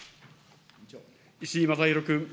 石井正弘君。